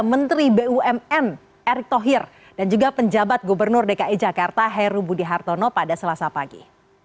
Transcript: menteri bumn erick thohir dan juga penjabat gubernur dki jakarta heru budi hartono pada selasa pagi